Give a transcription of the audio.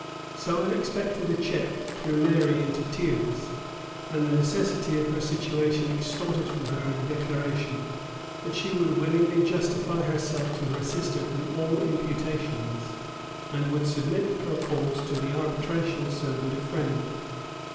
So unexpected a check threw Mary into tears: and the necessity of her situation extorted from her a declaration, that she would willingly justify herself to her sister from all imputations, and would submit her cause to the arbitration of so good a friend.